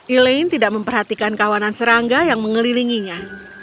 elaine tidak memperhatikan kawanan serangga yang mengelilinginya